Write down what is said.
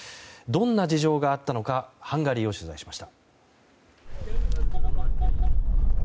どんな事情があったのはハンガリーを取材しました。